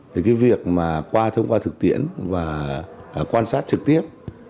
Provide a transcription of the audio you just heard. thì cái việc mà qua thông qua thực tiễn và quan sát trực tiếp